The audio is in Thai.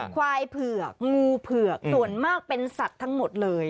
ควายเผือกงูเผือกส่วนมากเป็นสัตว์ทั้งหมดเลย